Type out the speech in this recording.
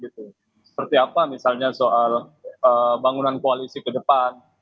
seperti apa misalnya soal bangunan koalisi ke depan